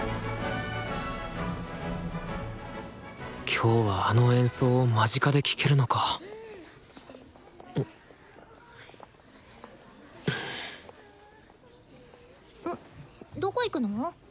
今日はあの演奏を間近で聴けるのかどこ行くの？